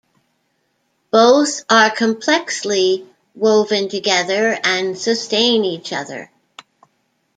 Both are complexly woven together and sustain each other.